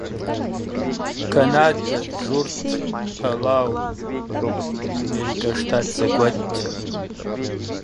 Канада, Израиль, Палау, Соединенные Штаты Америки.